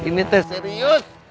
ini teh serius